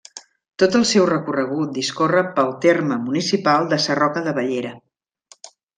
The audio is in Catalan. Tot el seu recorregut discorre pel terme municipal de Sarroca de Bellera.